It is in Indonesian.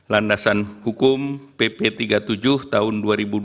landasan hukum pp tiga puluh tujuh tahun dua ribu dua